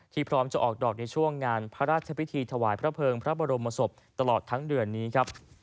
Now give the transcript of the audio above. พร้อมจะออกดอกในช่วงงานพระราชพิธีถวายพระเภิงพระบรมศพตลอดทั้งเดือนนี้ครับ